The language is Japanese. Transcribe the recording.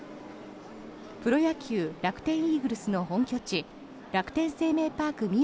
プロ野球楽天イーグルスの本拠地楽天生命パーク